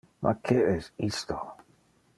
Ma que es isto?